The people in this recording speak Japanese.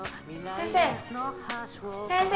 先生！